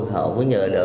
họ không nhờ lỡ